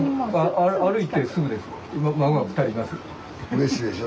うれしいでしょ？